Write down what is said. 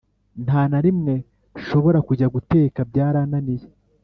Nta narimwe shobora kujya guteka byarananiye